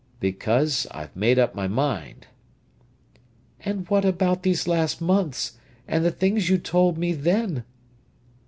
"Because I've made up my mind." "And what about these last months, and the things you told me then?"